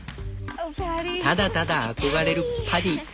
ただただ憧れるパディ。